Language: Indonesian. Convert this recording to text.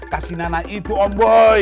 ke si nana itu om boy